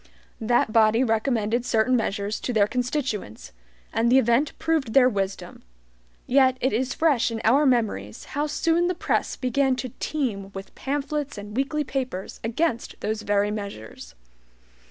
That body recommended certain measures to their constituents, and the event proved their wisdom; yet it is fresh in our memories how soon the press began to teem with pamphlets and weekly papers against those very measures.